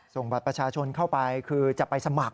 ส่งบัตรประชาชนเข้าไปคือจะไปสมัคร